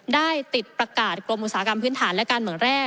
ได้ติดประกาศกรมอุตสาหกรรมพื้นฐานและการเมืองแร่